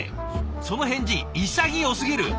その返事潔すぎる！